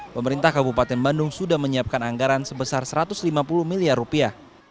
pemerintah kabupaten bandung sudah menyiapkan anggaran sebesar satu ratus lima puluh miliar rupiah